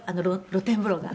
露天風呂が」